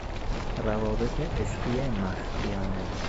روابط عشقی مخفیانه